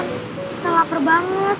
kita lapar banget